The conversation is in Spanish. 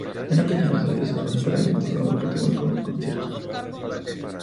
En ocasiones, es usado para eventos no deportivos como conciertos.